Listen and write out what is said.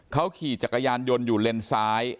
เขาขี่จักรยานยนต์อยู่เลนซ้าย